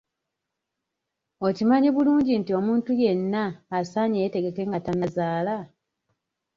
Okimanyi bulungi nti omuntu yenna asaanye yeetegeke nga tannazaala?